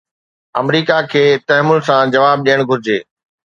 آمريڪا کي تحمل سان جواب ڏيڻ گهرجي.